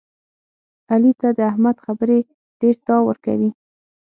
علي ته د احمد خبرې ډېرتاو ورکوي.